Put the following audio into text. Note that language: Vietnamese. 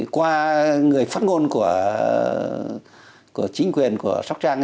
qua người phát ngôn của chính quyền của sóc trang